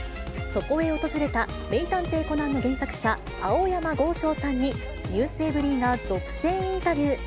そこへ訪れた名探偵コナンの原作者、青山剛昌さんに、ｎｅｗｓｅｖｅｒｙ．が独占インタビュー。